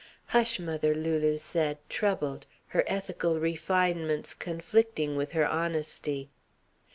"Hush, mother," Lulu said, troubled, her ethical refinements conflicting with her honesty.